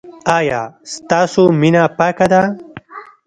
ایا ستاسو مینه پاکه ده؟